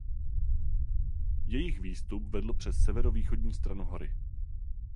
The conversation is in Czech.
Jejich výstup vedl přes severovýchodní stranu hory.